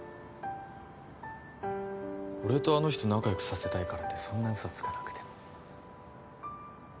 俺とあの人仲良くさせたいからってそんな嘘つかなくても。